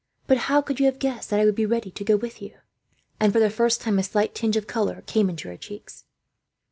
But how could you have guessed that I should be ready to go with you?" And for the first time, a slight tinge of colour came into her cheeks.